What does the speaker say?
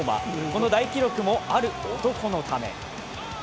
この大記録もある男のため。